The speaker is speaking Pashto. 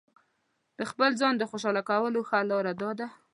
د خپل ځان د خوشاله کولو ښه لاره داده.